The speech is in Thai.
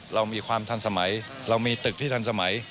เรามีความทันสมัยเรามีตึกที่ทันสมัย